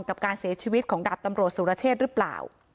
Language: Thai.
กับการเสียชีวิตของดาบตำรวจสุรเชษหรือเปล่า